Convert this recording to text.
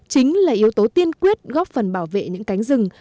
chính là yếu tố tiên quyết góp phần bảo vệ những cánh rừng